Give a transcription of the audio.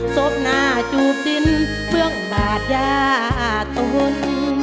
สบหนาจูบดินเบื้องบาดยาตน